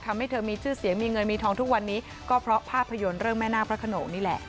ทำให้เธอมีชื่อเสียงมีเงินมีทองทุกวันนี้ก็เพราะภาพยนตร์เรื่องแม่นาคพระขนงนี่แหละ